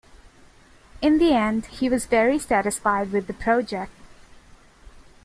In the end, he was very satisfied with the project.